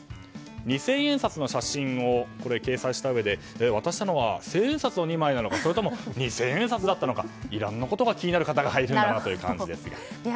二千円札の写真を掲載したうえで渡したのは千円札を２枚なのかそれとも二千円札なのかいろんなことが気になる方がいるんだなという感じです。